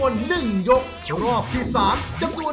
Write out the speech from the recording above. รถที่เจ๋น